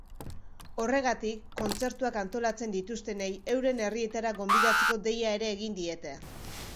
Horregatik, kontzertuak antolatzen dituztenei euren herrietara gonbidatzeko deia ere egin diete.